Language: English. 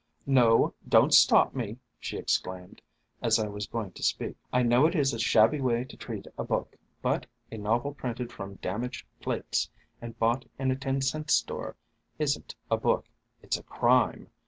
"No, don't stop me," she exclaimed, as I was going to speak. "I know it is a shabby way to treat a book, but a novel printed from damaged plates and bought in a ten cent store is n't a book. It's a crime!